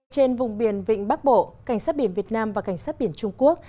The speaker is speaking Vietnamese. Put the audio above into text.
trên vùng biển vịnh bắc bộ cảnh sát biển việt nam và cảnh sát biển trung quốc